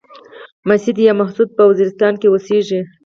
مسيد يا محسود په وزيرستان کې اوسيږي.